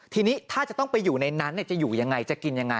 ทีนี้ถ้าจะต้องไปอยู่ในนั้นจะอยู่ยังไงจะกินยังไง